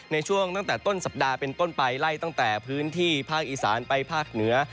ในช่วงตั้งแต่ต้นสัปดาห์เป็นต้นไปไล่ตั้งแต่พื้นที่ภาคอีสานไปภาคเหนือ